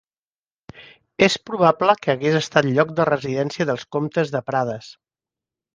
És probable que hagués estat lloc de residència dels comtes de Prades.